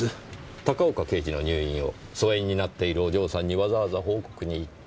高岡刑事の入院を疎遠になっているお嬢さんにわざわざ報告に行った。